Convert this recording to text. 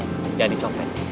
tidak mau jadi copet